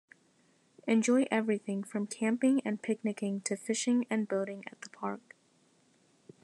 Enjoy everything from camping and picnicking to fishing and boating at the park.